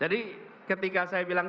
jadi ketika saya bilang